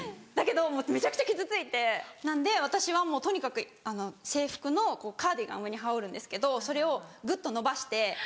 だけどめちゃくちゃ傷ついてなんで私はもうとにかく制服のカーディガン上に羽織るんですけどそれをグッと伸ばして